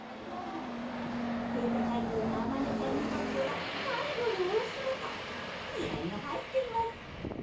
生徒会長のあまねちゃんにとっては最後の大仕事気合いが入っています